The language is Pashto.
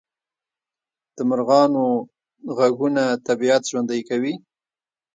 د مرغانو غږونه طبیعت ژوندی کوي